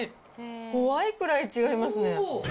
怖いくらい違いますね。